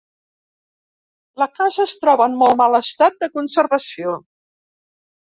La casa es troba en molt mal estat de conservació.